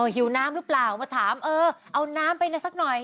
หิวน้ำหรือเปล่ามาถามเออเอาน้ำไปสักหน่อย